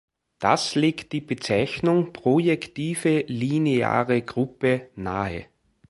Das legt die Bezeichnung "projektive lineare Gruppe" nahe.